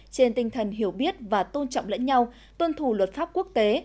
trên tinh thần hiểu biết và tôn trọng lẫn nhau tuân thủ luật pháp quốc tế